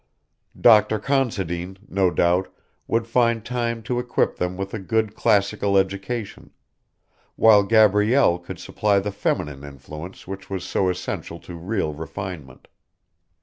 Doctor Considine, no doubt, would find time to equip them with a good classical education, while Gabrielle could supply the feminine influence which was so essential to real refinement.